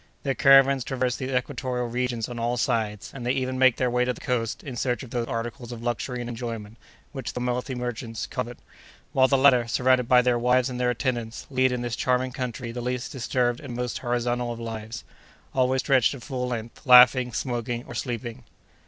Their caravans traverse these equatorial regions on all sides; and they even make their way to the coast in search of those articles of luxury and enjoyment which the wealthy merchants covet; while the latter, surrounded by their wives and their attendants, lead in this charming country the least disturbed and most horizontal of lives—always stretched at full length, laughing, smoking, or sleeping.